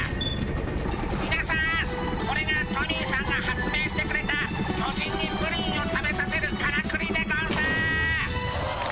みなさんこれがトミーさんが発明してくれた巨人にプリンを食べさせるカラクリでゴンス！」。